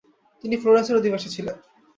তিনি ফ্লোরেন্সের অধিবাসী ছিলেন।